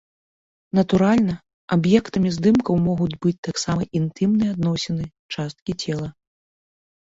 Натуральна, аб'ектамі здымкаў могуць быць таксама інтымныя адносіны, часткі цела.